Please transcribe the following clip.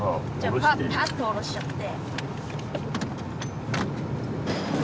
じゃあパッと降ろしちゃって。